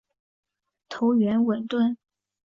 头圆吻钝。